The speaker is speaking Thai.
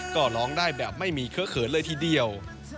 ก็ร้องได้แบบไม่มีเคอะเขินเลยทีเดียว